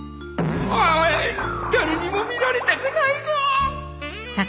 ああ誰にも見られたくないぞ！